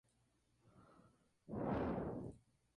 Jean Piaget es uno de los pensadores que difieren de esta corriente.